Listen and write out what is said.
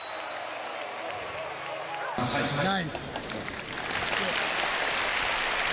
・ナイス。